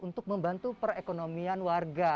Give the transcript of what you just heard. untuk membantu perekonomian warga